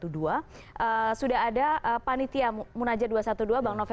terima kasih mbak novel